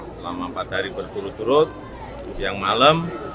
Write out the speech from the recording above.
selama empat hari bersurut surut siang malam